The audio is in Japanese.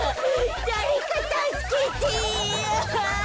だれかたすけて。